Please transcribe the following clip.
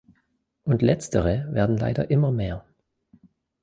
Und Letztere werden leider immer mehr.